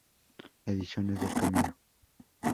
Ediciones del Camino.